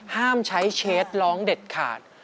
ห้ามใช้เชฟร้องเด็ดขาด